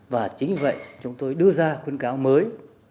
và chính vì vậy chúng tôi đưa ra khuyến cáo mới